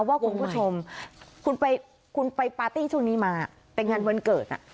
ว่าคุณผู้ชมคุณไปคุณไปปาร์ตี้ช่วงนี้มาเป็นงานวันเกิด